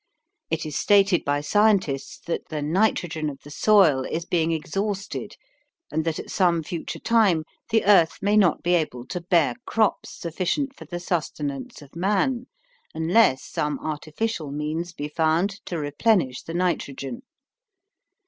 It is stated by scientists that the nitrogen of the soil is being exhausted and that at some future time the Earth may not be able to bear crops sufficient for the sustenance of man, unless some artificial means be found to replenish the nitrogen.